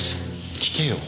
聞けよ。